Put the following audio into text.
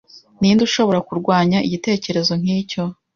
Ninde ushobora kurwanya igitekerezo nkicyo?